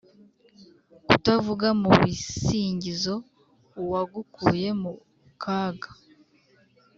“kutavuga mu bisingizo uwagukuye mu kaga